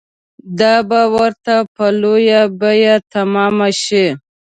دا به ورته په لویه بیه تمامه شي.